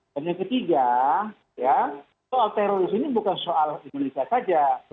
dan yang ketiga soal teroris ini bukan soal indonesia saja